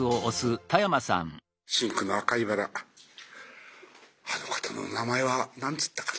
「深紅の赤いバラあの方のお名前は何て言ったかな？